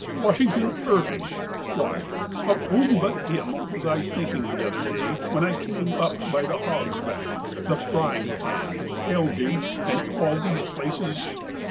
Wash ington Irving! Why, of whom but him was I thinking the other day when I came up by the Hog's Back, the Frying Pan, Hell Gate, and all 152 DICKENS these places?